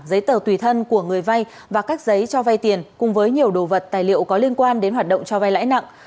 giấy tờ tùy thân của người vay và các giấy cho vay tiền cùng với nhiều đồ vật tài liệu có liên quan đến hoạt động cho vay lãi nặng